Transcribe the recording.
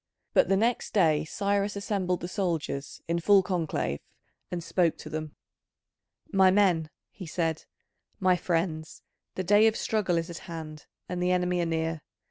But the next day Cyrus assembled the soldiers in full conclave, and spoke to them: "My men," he said, "my friends, the day of struggle is at hand, and the enemy are near.